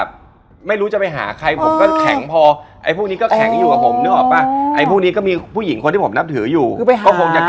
ทำทำยอดทิศ